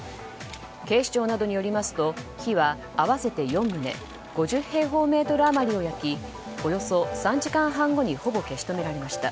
警視庁などによりますと火は合わせて４棟５０平方メートル余りを焼きおよそ３時間半後にほぼ消し止められました。